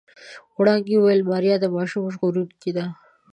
وړانګې وويل ماريا د ماشوم ژغورونکې ده.